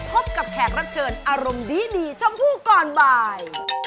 พบกับแขกรับเชิญอารมณ์ดีชมพู่ก่อนบ่าย